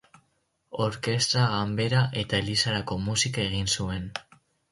Orkestra, ganbera eta elizarako musika egin zuen.